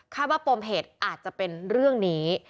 ว่าปมเหตุอาจจะเป็นเรื่องนี้